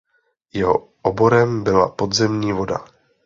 Jeho oborem byla podzemní voda.